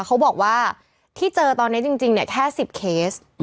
เขาบอกว่าที่เจอตอนนี้จริงเนี่ยแค่๑๐เคส